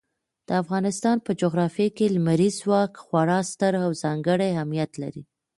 د افغانستان په جغرافیه کې لمریز ځواک خورا ستر او ځانګړی اهمیت لري.